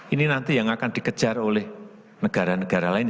ini nanti yang akan dikejar oleh negara negara lain